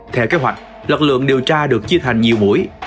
theo kế hoạch lực lượng điều tra được chia thành nhiều buổi